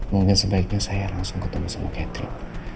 mungkin sebaiknya saya langsung ketemu sama catherick